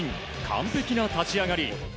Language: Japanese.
完璧な立ち上がり。